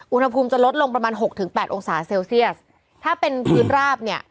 อุณหภูมิจะลดลงประมาณหกถึงแปดองศาเซลเซียสถ้าเป็นพื้นราบเนี่ย